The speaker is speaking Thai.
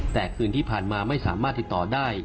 แต่คืนที่ผ่านมาไม่สามารถติดต่อได้